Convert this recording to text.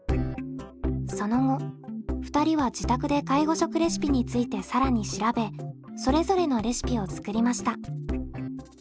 その後２人は自宅で介護食レシピについて更に調べそれぞれのレシピを作りました。